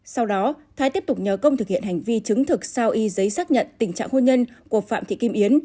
sau đó thái tiếp tục nhờ công thực hiện hành vi chứng thực sao y giấy xác nhận tình trạng hôn nhân của phạm thị kim yến